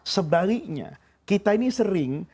sebaliknya kita ini sering